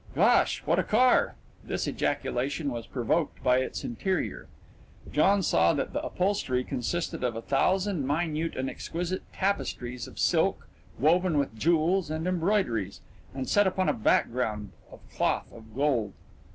"Gosh! What a car!" This ejaculation was provoked by its interior. John saw that the upholstery consisted of a thousand minute and exquisite tapestries of silk, woven with jewels and embroideries, and set upon a background of cloth of gold.